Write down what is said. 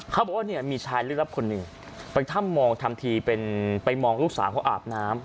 เขาบอกว่ามีชายลึกลับคนหนึ่งไปท่ามมองทัมทีไปมองลูกสาวเขาอาบน้ำ